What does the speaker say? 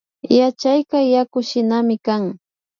Yachayka yakushinami kan